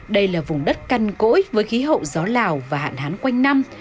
đây là vùng đất căn cỗi với khí hậu gió lào và hạn hán quanh năm